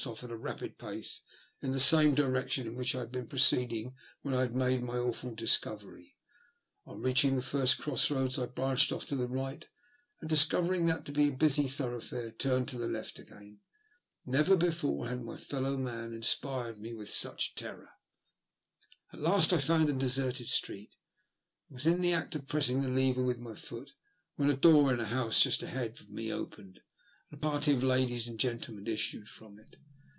06 off at a rapid pace in the same direction in which I had been proceeding when I had made my awful dis covery. On reaching the first cross roads I branched off to the right, and, discovering that to be a busy thoroughfaroi turned to the left again. Never before had my fellow man inspired me with such terror. At last I found a deserted street, and was in the act of pressing the lever with my foot when a door in a house just ahead of me opened, and a party of ladies and gentlemen issued from it.